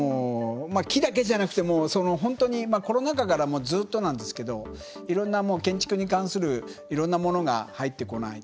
木だけじゃなくて本当にコロナ禍からずっとなんですけどいろんな、建築に関するいろんなものが入ってこない。